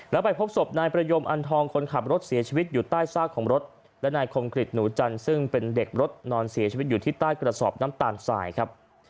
แล้วไปพบศพนายประยมอันทองคนขับรถเสียชีวิตอยู่ใต้ซากของรถและนายคมกริจหนูจันทร์ซึ่งเป็นเด็กรถนอนเสียชีวิตอยู่ที่ใต้กระสอบน้ำตาลสายครับ